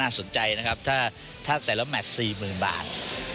สนใจนะครับถ้าแต่ละแมท๔๐๐๐บาท